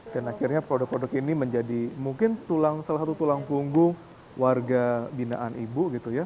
akhirnya produk produk ini menjadi mungkin salah satu tulang punggung warga binaan ibu gitu ya